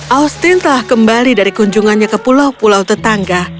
austin telah kembali dari kunjungannya ke pulau pulau tetangga